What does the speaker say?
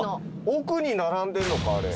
奥に並んでるのかあれ。